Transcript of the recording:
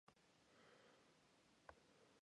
The commandery was later restored.